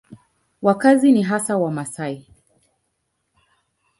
Wakazi ni hasa Wamasai.